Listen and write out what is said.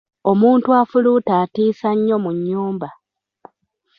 Omuntu afuluuta atiisa nnyo mu nnyumba.